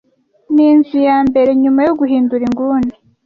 Ninzu yambere nyuma yo guhindura inguni.